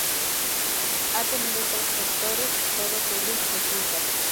Ha tenido tres rectores, todos ellos jesuitas.